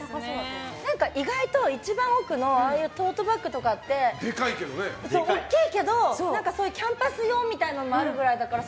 意外と一番奥のトートバッグとかって大きいけど、キャンパス用みたいなのもあるくらいだから。